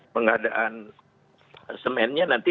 pengadaan semennya nanti